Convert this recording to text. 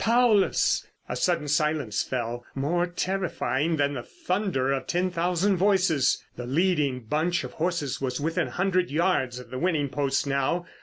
Paulus!" A sudden silence fell, more terrifying than the thunder of ten thousand voices. The leading bunch of horses was within a hundred yards of the winning post now.